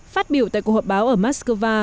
phát biểu tại cuộc họp báo ở moscow